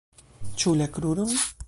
Ĉu la kruron?